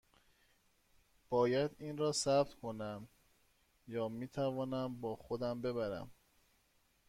باید این را ثبت کنم یا می توانم با خودم ببرم؟